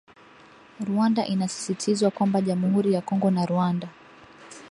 Rwanda inasisitizwa kwamba jamuhuri ya Kongo na Rwanda